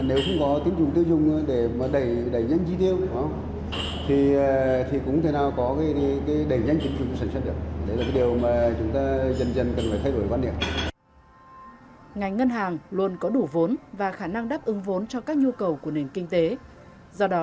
ngành ngân hàng luôn có đủ vốn và khả năng đáp ứng vốn cho các nhu cầu của nền kinh tế